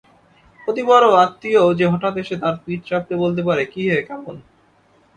অতিবড়ো আত্মীয়ও যে হঠাৎ এসে তার পিঠ চাপড়িয়ে বলতে পারে কী হে, কেমন?